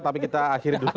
tapi kita akhir dulu